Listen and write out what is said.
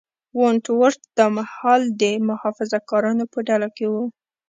ونټ ورت دا مهال د محافظه کارانو په ډله کې و.